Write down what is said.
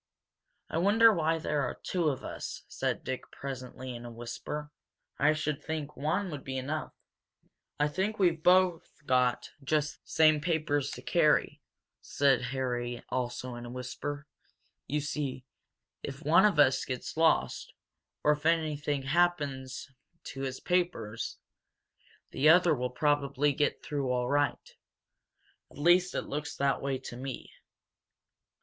"I wonder why there are two of us," said Dick presently, in a whisper. "I should think one would be enough." "I think we've both got just the same papers to carry," said Harry, also in a whisper. "You see, if one of us gets lost, or anything happens to his papers, the other will probably get through all right. At least it looks that way to me."